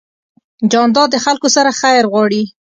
جانداد د خلکو سره خیر غواړي.